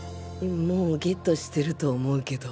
もう ＧＥＴ してると思うけど